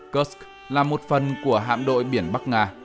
kursk là một phần của hạm đội biển bắc nga